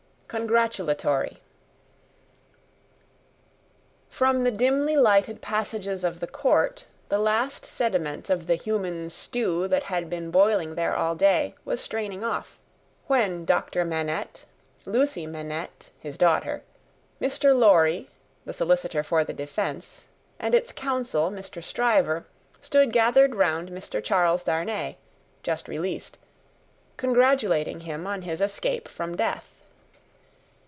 Congratulatory From the dimly lighted passages of the court, the last sediment of the human stew that had been boiling there all day, was straining off, when Doctor Manette, Lucie Manette, his daughter, Mr. Lorry, the solicitor for the defence, and its counsel, Mr. Stryver, stood gathered round Mr. Charles Darnay just released congratulating him on his escape from death.